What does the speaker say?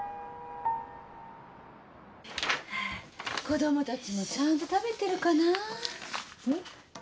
子供たちもちゃんと食べてるかな？